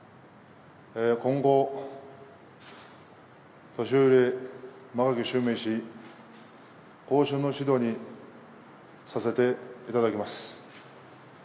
今後、年寄・間垣を襲名し、後進の指導にさせていただきます。